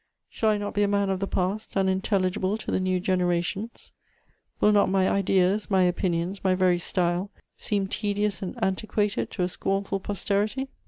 Shall I not be a man of the past, unintelligible to the new generations? Will not my ideas, my opinions, my very style seem tedious and antiquated to a scornful posterity?